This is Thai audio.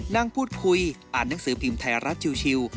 นั่งพูดคุยอ่านหนังสือพิมพ์ไทยรัฐชิว